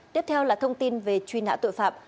tiếp theo là thông tin về truy nã tội phạm